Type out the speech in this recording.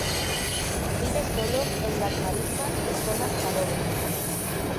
Vive sólo en las marismas y zonas salobres.